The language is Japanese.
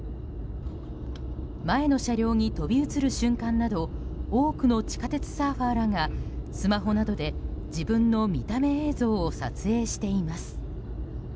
前の車両に飛び移る瞬間など多くの地下鉄サーファーらがスマホなどで自分の見た目映像を撮影しています。